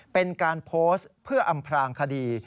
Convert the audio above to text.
เป็นการโพสต์เพื่ออำพลางคดี